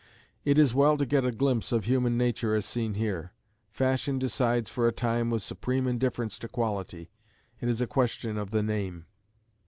It is well to get a glimpse of human nature as seen here. Fashion decides for a time with supreme indifference to quality. It is a question of the name.